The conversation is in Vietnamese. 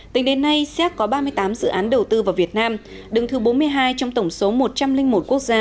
tính đến nay xéc có ba mươi tám dự án đầu tư vào việt nam đứng thứ bốn mươi hai trong tổng số một trăm linh một quốc gia